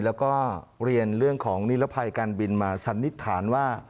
แล้วก็เรียนเรื่องของนิรภัยการบินมาสันนิษฐานว่า